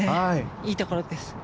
いいところです。